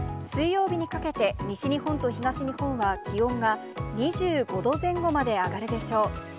水曜日にかけて西日本と東日本は気温が２５度前後まで上がるでしょう。